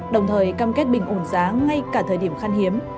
đồng thời cam kết bình ổn giá ngay cả thời điểm khăn hiếm